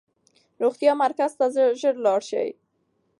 روغتیايي مرکز ته ژر لاړ شئ.